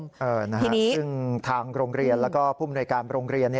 ซึ่งทางโรงเรียนแล้วก็ผู้มนวยการโรงเรียน